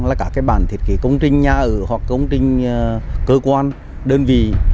là cả các bản thiết kế công trình nhà ở hoặc công trình cơ quan đơn vị